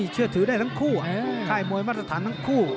เชื่อถือได้ทั้งคู่ค่ายมวยมาตรฐานทั้งคู่